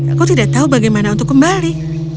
aku tidak tahu bagaimana untuk kembali